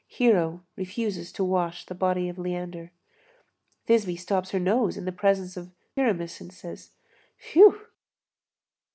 Hero refuses to wash the body of Leander. Thisbe stops her nose in the presence of Pyramus and says: "Phew!"